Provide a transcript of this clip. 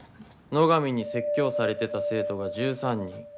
野上に説教されてた生徒が１３人。